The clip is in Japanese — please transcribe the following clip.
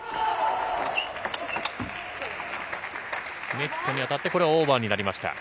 ネットに当たって、これはオーバーになりました。